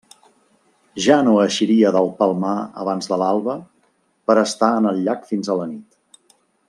Ja no eixiria del Palmar abans de l'alba per a estar en el llac fins a la nit.